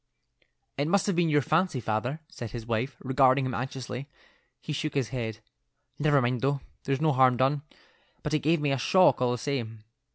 "It must have been your fancy, father," said his wife, regarding him anxiously. He shook his head. "Never mind, though; there's no harm done, but it gave me a shock all the same."